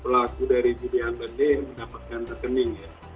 pelaku dari judian benih mendapatkan rekening